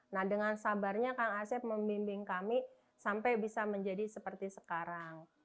nah dengan sabarnya kang asep membimbing kami sampai bisa menjadi seperti sekarang